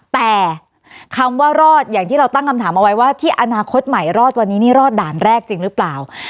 แต่คำว่ารอดอย่างที่เราตั้งคำถามเอาไว้ว่าที่อนาคตใหม่รอดวันนี้นี่รอดด่านแรกจริงหรือเปล่า